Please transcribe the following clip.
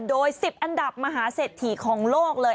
โดย๑๐อันดับมหาเศรษฐีของโลกเลย